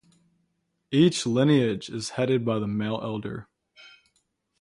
Each lineage is headed by the male elder.